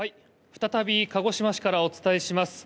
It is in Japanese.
再び鹿児島市からお伝えします。